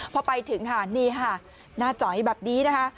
พอไปถึงหน้าจอยแบบนี้นะฮะ